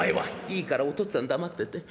「いいからお父っつぁん黙ってて。